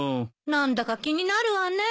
何だか気になるわね。